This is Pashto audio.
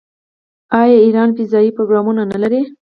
آیا ایران فضايي پروګرام نلري؟